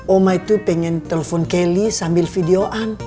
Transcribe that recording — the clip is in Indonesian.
oma itu pengen telpon kelly sambil videoan